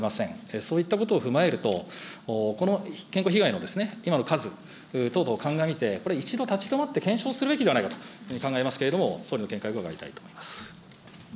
そういったことを踏まえると、この健康被害の今の数等々を鑑みて、これ、一度立ち止まって検証すべきではないかというふうに考えますけれども、総理の見解を伺いたいと思います。